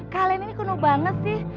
kalian ini kuno banget sih